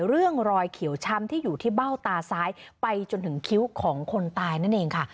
รอยเขียวช้ำที่อยู่ที่เบ้าตาซ้ายไปจนถึงคิ้วของคนตายนั่นเองค่ะ